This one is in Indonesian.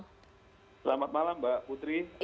selamat malam mbak putri